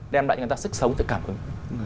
đem lại người ta sức sống sự cảm hứng